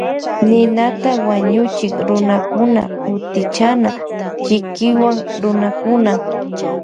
Ninata wañuchik runakuna kutichana chikiwan runakunata.